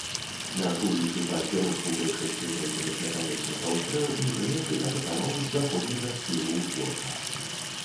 Мяркуючы па кірунку большасці знойдзеных наканечнікаў стрэл, непрыяцель атакаваў з заходняга схілу ўзгорка.